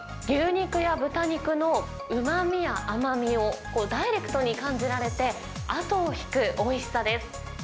牛肉や豚肉のうまみや甘みをダイレクトに感じられて、後を引くおいしさです。